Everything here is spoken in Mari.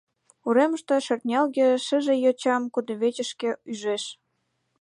Уремыште шӧртнялге шыже Йочам кудывечышке ӱжеш.